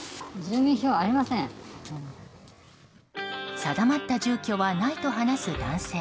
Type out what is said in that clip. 定まった住居はないと話す男性。